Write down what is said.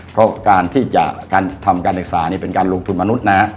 เพราะการที่จะทำการศึกษาเป็นการลงทุนมนุษย์